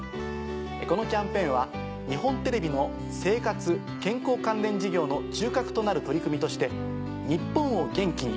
このキャンペーンは日本テレビの生活・健康関連事業の中核となる取り組みとして「ニッポンを元気に！